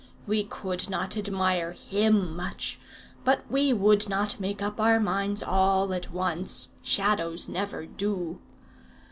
We could not admire him much; but we would not make up our minds all at once: Shadows never do.